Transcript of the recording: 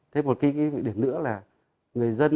thế một cái điểm nữa là người dân